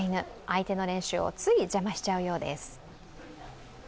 相手の練習をつい邪魔しちゃうようです。